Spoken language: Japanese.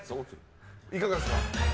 いかがですか？